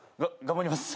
頑張ります。